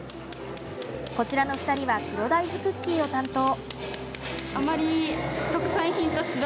こちらの２人は黒大豆クッキーを担当。